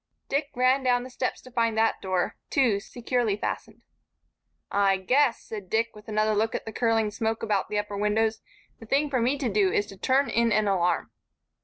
Dick ran down the steps to find that door, too, securely fastened. "I guess," said Dick, with another look at the curling smoke about the upper windows, "the thing for me to do is to turn in an alarm."